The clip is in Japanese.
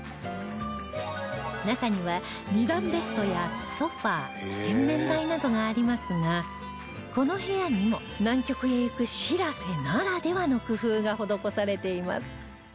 中には２段ベッドやソファ洗面台などがありますがこの部屋にも南極へ行く「しらせ」ならではの工夫が施されています